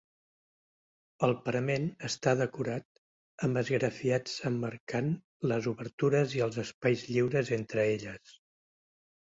El parament està decorat amb esgrafiats emmarcant les obertures i als espais lliures entre elles.